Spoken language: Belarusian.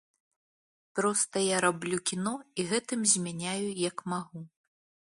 Проста я раблю кіно, і гэтым змяняю, як магу.